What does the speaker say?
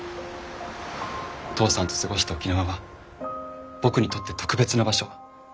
父さんと過ごした沖縄は僕にとって特別な場所。